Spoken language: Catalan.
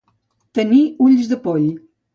Tenir ulls de poll.